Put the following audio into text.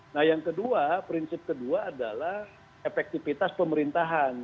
nah yang kedua prinsip kedua adalah efektivitas pemerintahan